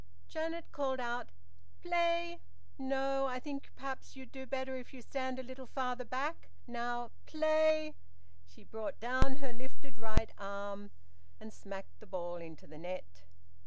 Janet called out "Play no, I think perhaps you'll do better if you stand a little farther back. Now play!" She brought down her lifted right arm, and smacked the ball into the net.